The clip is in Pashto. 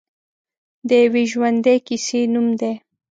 د یوې ژوندۍ کیسې نوم دی.